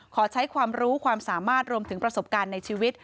ขอใช้ความรู้ความสามารถรวมถึงประสบการณ์ในชีวิต